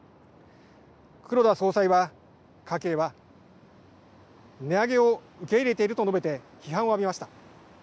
黒田総裁は、家計は値上げを受け入れていると述べて批判を浴びました。